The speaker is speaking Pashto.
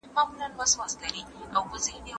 علمي مجله بې اسنادو نه ثبت کیږي.